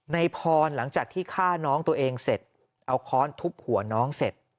ในพรหลังจากที่ฆ่าน้องตัวเองเสร็จเอาค้อนทุบหัวน้องเสร็จ